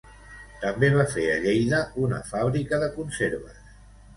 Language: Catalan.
També va fer a Lleida una fàbrica de conserves.